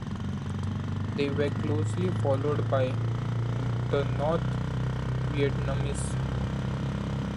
They were closely followed by the North Vietnamese.